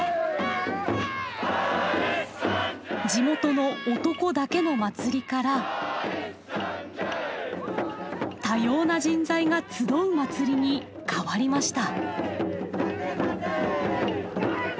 地元の男だけの祭りから多様な人材が集う祭りに変わりました。